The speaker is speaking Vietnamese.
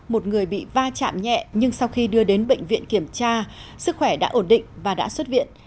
một người bị va chạm nhẹ nhưng sau khi đưa đến bệnh viện kiểm tra sức khỏe đã ổn định và đã xuất viện